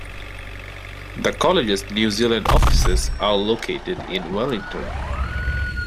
The College's New Zealand offices are located in Wellington.